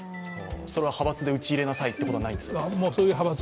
それは派閥で、うち入れなさいというのがないんですか。